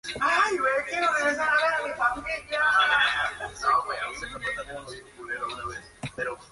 Pero fue en la Primera A donde se despidió del profesionalismo.